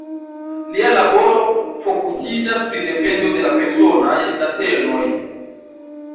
Lia laboro fokusiĝas pri defendo de la personaj datenoj.